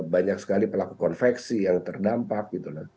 banyak sekali pelaku konveksi yang terdampak